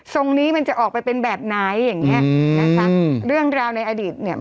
ทรงนี้มันจะออกไปเป็นแบบไหนอย่างเงี้ยอืมนะคะเรื่องราวในอดีตเนี่ย